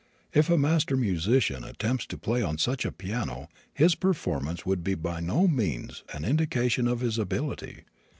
If a master musician attempts to play on such a piano his performance would by no means be an indication of his ability.